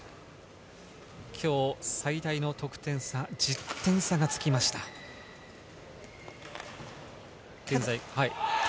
今日、最大の得点差、１０点差がつきました。